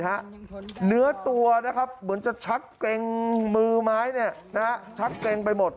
เหนือตัวเหมือนจะชักเกรงมือไม้ชักเกรงไปหมด